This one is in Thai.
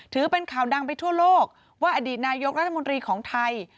ถือเป็นข่าวดังไปทั่วโลกว่าอดีตนายกรัฐมนตรีของไทย